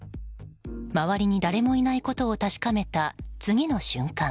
周りに誰もいないことを確かめた次の瞬間。